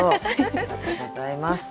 ありがとうございます。